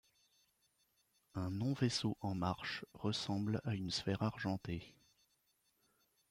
Un non-vaisseau en marche ressemble à une sphère argentée.